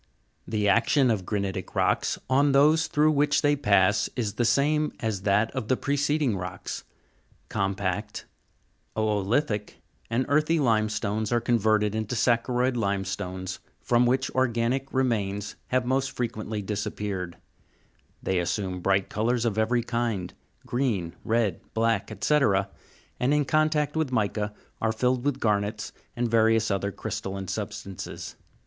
The action of granitic rocks on those through which they pass is the same as that of the preceding rocks ; compact, o'olitic, and earthy lime stones are converted into saccharoid limestones, from which organic re mains have most frequently disappeared ; they assume bright colours of every kind, green, red, black, &c., and, in contact with mica, are filled with garnets and various other crystalline substances.